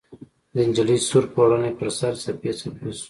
د نجلۍ سور پوړني ، پر سر، څپې څپې شو